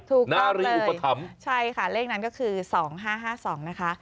ถูกครอบเลยใช่ค่ะเลขนั้นก็คือ๒๕๕๒นะคะ